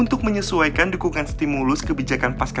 untuk menyesuaikan dukungan stimulus kebijakan pasca